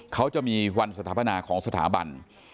เขาจะมีวันสถาปนาของสถาบัน